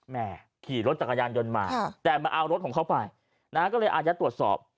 ขี่รถจักรยานยนต์มาแต่มาเอารถของเขาไปนะก็เลยอาจจะตรวจสอบ